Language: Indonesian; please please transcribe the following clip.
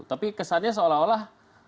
tapi kesannya seolah olah